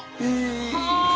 はあ！